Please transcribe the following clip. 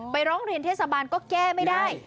ร้องเรียนเทศบาลก็แก้ไม่ได้